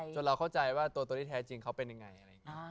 จนเราเข้าใจว่าตัวที่แท้จริงเขาเป็นยังไง